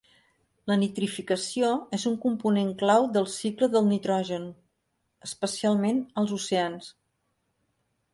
La nitrificació és un component clau del cicle del nitrogen, especialment als oceans.